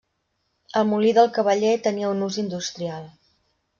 El molí del cavaller tenia un ús industrial.